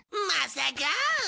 まさか！